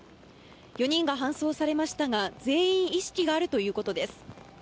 ４人が搬送されましたが、全員意識があるということです。